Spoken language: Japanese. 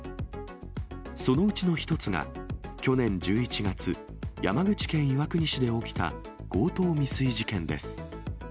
そのうちの一つが、去年１１月、山口県岩国市で起きた強盗未遂事件です。